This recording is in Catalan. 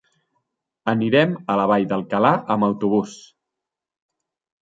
Anirem a la Vall d'Alcalà amb autobús.